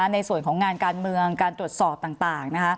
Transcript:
ในส่วนของงานการเมืองการตรวจสอบต่าง